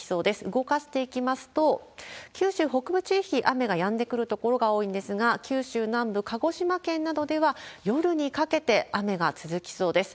動かしていきますと、九州北部地域、雨がやんでくる所が多いんですが、九州南部、鹿児島県などでは、夜にかけて雨が続きそうです。